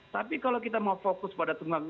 tapi kalau kita mau fokus pada tunggal